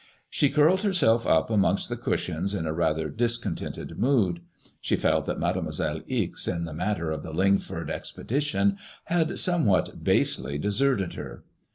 She curled herself up amongst the cushions in a rather discontented mood. She felt that Mademoiselle Ixe in the matter of the Lingford ex pedition had somewhat basely deserted her.